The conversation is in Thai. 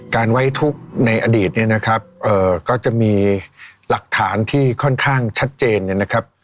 ไว้ทุกข์ในอดีตเนี่ยนะครับก็จะมีหลักฐานที่ค่อนข้างชัดเจนเนี่ยนะครับ